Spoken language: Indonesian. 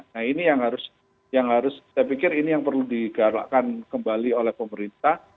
nah ini yang harus saya pikir ini yang perlu digalakkan kembali oleh pemerintah